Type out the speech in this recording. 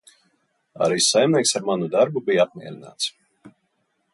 Arī saimnieks ar manu darbu bija apmierināts.